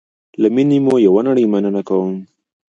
له میني مو یوه نړی مننه کوم